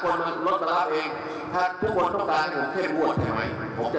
ต่อไปนี่ถ้ายังเป็นอยู่ถ้าเจอตรงนั้นตอบตรงนั้น